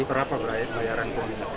berapa berair bayaran pungli